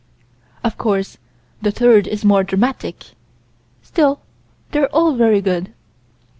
Of course the third is more dramatic still they're all very good.